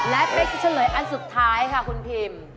และเป๊กจะเฉลยอันสุดท้ายค่ะคุณพิม